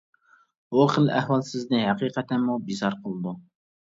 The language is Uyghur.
بۇ خىل ئەھۋال سىزنى ھەقىقەتەنمۇ بىزار قىلىدۇ.